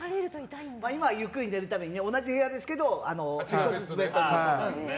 今、ゆっくり寝るために同じ部屋ですけど１個ずつ、ベッドで。